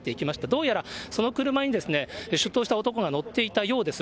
どうやらその車に、出頭した男が乗っていたようです。